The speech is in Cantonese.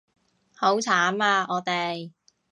好慘啊我哋